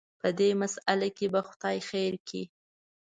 په دې مساله کې به خدای خیر کړي.